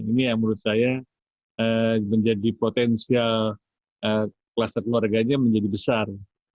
ini yang menurut saya menjadi potensial kluster keluarganya menjadi besar